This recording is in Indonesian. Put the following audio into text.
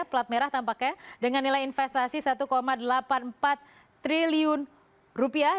plat merah tampaknya dengan nilai investasi satu delapan puluh empat triliun rupiah